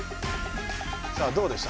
さあどうでした？